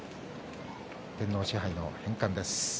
天皇賜盃の返還です。